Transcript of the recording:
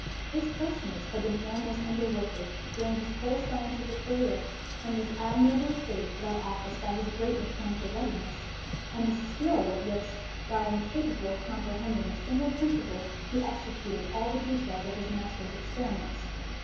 This personage had been Aylmer's underworker during his whole scientific career, and was admirably fitted for that office by his great mechanical readiness, and the skill with which, while incapable of comprehending a single principle, he executed all the details of his master's experiments.